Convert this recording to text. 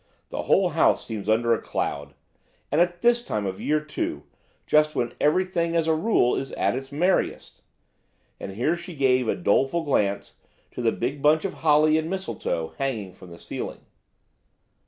The whole house seems under a cloud. And at this time of year, too; just when everything as a rule is at its merriest!" and here she gave a doleful glance to the big bunch of holly and mistletoe hanging from the ceiling.